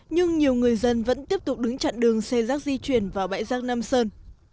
nhưng nhiều người dân vẫn tiếp tục đứng chặn đường xe rác di chuyển vào bãi rác nam sơn